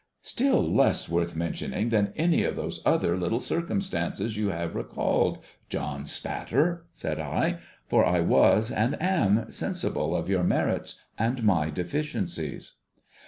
' Still less worth mentioning than any of those other little circum stances you have recalled, John Spatter,' said I ; 'for I was, and am, sensible of your merits and my deficiencies.'